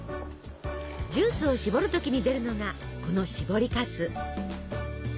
ジュースをしぼる時に出るのがこのしぼりかす。